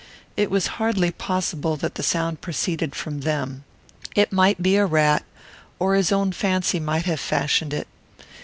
It was hardly possible that the sound proceeded from them. It might be a rat, or his own fancy might have fashioned it.